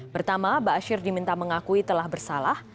pertama bashir diminta mengakui telah bersalah